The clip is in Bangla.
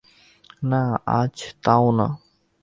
না, আজ তাও না।